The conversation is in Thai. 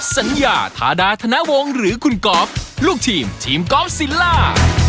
สัญญาธาดาธนวงหรือคุณก๊อฟลูกทีมทีมกอล์ฟซิลล่า